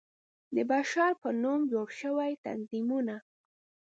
د بشر په نوم جوړ شوى تنظيمونه